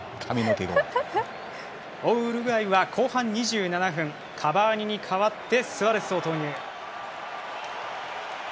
追うウルグアイは後半２７分カバーニに代わってスアレスを投入。